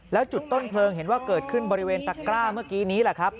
แล้วจุดต้นเพลิงเห็นว่าเกิดขึ้นบริเวณตะกร้าเมื่อกี้นี้แหละครับ